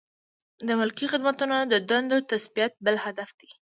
د ملکي خدمتونو د دندو تثبیت بل هدف دی.